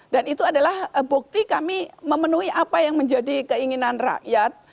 dan itu adalah bukti kami memenuhi apa yang menjadi keinginan rakyat